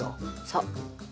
そう。